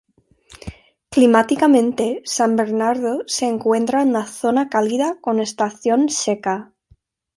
Climáticamente, San Bernardo se encuentra en la zona cálida con estación seca.